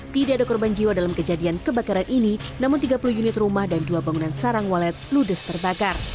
tidak ada korban jiwa dalam kejadian kebakaran ini namun tiga puluh unit rumah dan dua bangunan sarang walet ludes terbakar